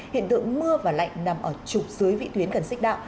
hiện tượng mưa và lạnh nằm ở trục dưới vị tuyến gần xích đạo